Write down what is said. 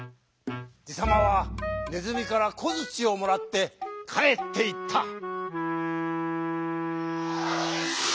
じさまはねずみからこづちをもらってかえっていった。